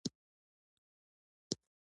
پوی نه شوم.